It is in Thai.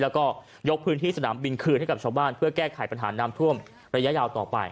แล้วก็ยกพื้นที่สนามบินคืนให้กับชาวบ้านเพื่อแก้ไขปัญหาน้ำท่วมระยะยาวต่อไป